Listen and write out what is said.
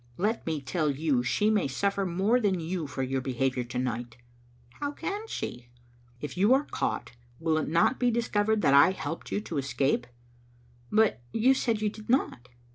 Let me tell you she may suffer more than you for your behaviour to night!" "How can she?" " If you are caught, will it not be discovered that I helped you to escape?" " But you said you did not."